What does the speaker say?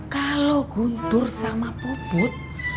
kalau guntur sama puput